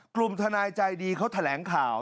กลุ่มทนายใจดีเขาแถลงข่าว